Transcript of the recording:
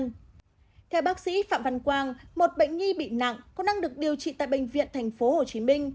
theo bác sĩ phạm văn quang một bệnh nhi bị nặng cũng đang được điều trị tại bệnh viện tp hcm